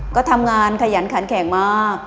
ก็ทำงานขยันขันแข็งมาก